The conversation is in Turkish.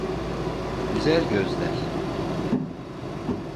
Güzel gözler.